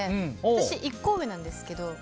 私、１個上なんですけど。